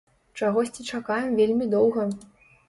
Чагосьці чакаем вельмі доўга.